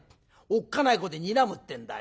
おっかない顔でにらむってんだよ。